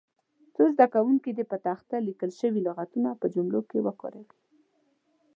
څو زده کوونکي دې پر تخته لیکل شوي لغتونه په جملو کې وکاروي.